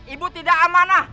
ibu tidak amanah